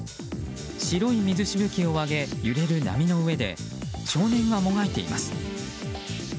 白い水しぶきを上げ揺れる波の上で少年がもがいています。